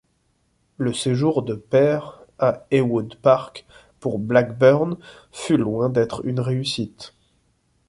Le séjour de Per à Ewood Park pour Blackburn fut loin d'être une réussite.